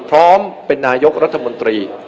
พร้อมเป็นนายกรัฐมนตรี